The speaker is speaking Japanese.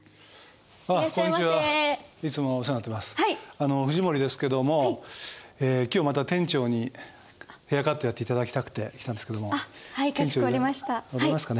あの藤森ですけども今日また店長にヘアカットやって頂きたくて来たんですけども。店長おりますかね？